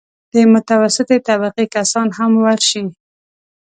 د متوسطې طبقې کسان هم ورشي.